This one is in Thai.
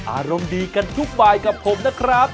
อารมณ์ดีกันทุกบายกับผมนะครับ